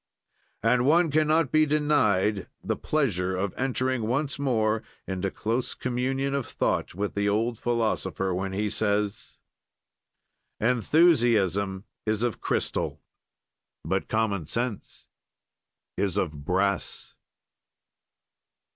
And one can not be denied the pleasure of entering once more into close communion of thought with the old philosopher when he says: "Enthusiasm is of crystal but common sense is of brass."